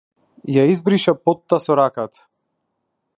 Ја избриша потта со раката.